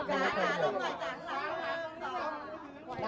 ไม่ได้หยัดแล้วนะ